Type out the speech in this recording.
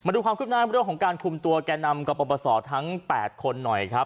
ดูความคืบหน้าเรื่องของการคุมตัวแก่นำกรปศทั้ง๘คนหน่อยครับ